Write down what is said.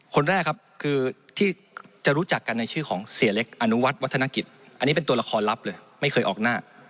คนแรกครับคือที่จะรู้จักกันในชื่อของเสียเล็กอนุวัติวัฒนกิจอันนี้เป็นตัวละครลับเลยไม่เคยออกหน้า